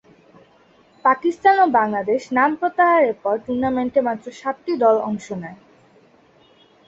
পাকিস্তান ও বাংলাদেশ নাম প্রত্যাহারের পর টুর্নামেন্টে মাত্র সাতটি দল অংশ নেয়।